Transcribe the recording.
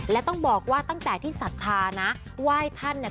และต้องบอกว่าตั้งแต่ที่ศรัทธานะไหว้ท่านเนี่ย